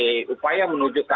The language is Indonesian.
sekarang kita komentar mungkin ya